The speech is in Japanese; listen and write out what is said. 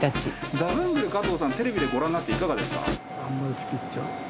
ザブングル加藤さんテレビでご覧になっていかがですか？